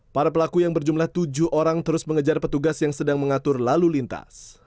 para pelaku yang berjumlah tujuh orang terus mengejar petugas yang sedang mengatur lalu lintas